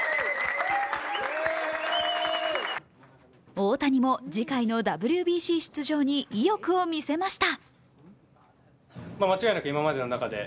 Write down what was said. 大谷も次回のＷＢＣ出場に意欲をみせました。